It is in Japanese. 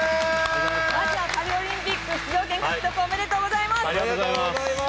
まずはパリオリンピック出場ありがとうございます。